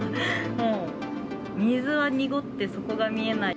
もう水は濁って底が見えない。